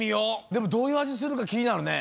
でもどういうあじするかきになるね。